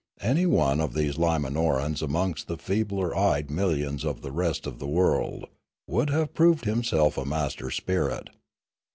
Any one of these L,imanorans amongst the feebler eyed millions of the rest of the world would have proved himself a master spirit.